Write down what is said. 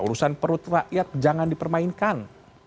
urusan perut rakyat jangan dipermainkan